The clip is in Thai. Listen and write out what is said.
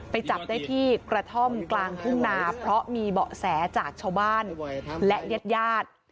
จับได้ที่กระท่อมกลางทุ่งนาเพราะมีเบาะแสจากชาวบ้านและญาติญาติ